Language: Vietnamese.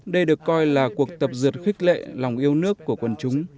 đây được coi là cuộc tập dượt khích lệ lòng yêu nước của quần chúng